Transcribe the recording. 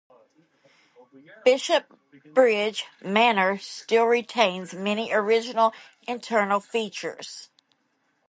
Bishopbridge Manor still retains many original internal features.